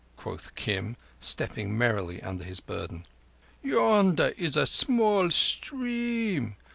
quoth Kim, stepping merrily under his burden. "Yonder is a small stream.